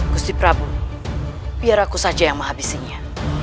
gusti prabu biar aku saja yang menghabisinya